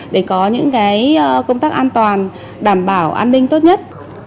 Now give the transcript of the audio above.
để có những công tác an toàn đảm bảo an ninh tốt nhất